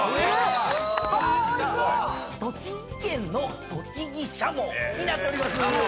栃木県の栃木しゃもになっております。